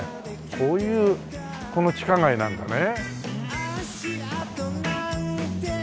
こういうこの地下街なんだね。